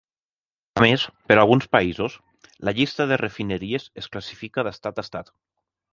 A més, per a alguns països, la llista de refineries es classifica d'estat a estat.